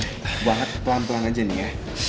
gue angkat pelan pelan aja nih ya